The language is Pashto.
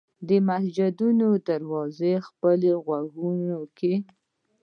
د مسجدونو دروازو خپلو غوږونو کې